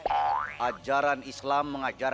dan melarang kita dari berpacaran dengan allah